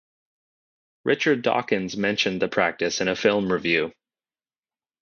Richard Dawkins mentioned the practice in a film review.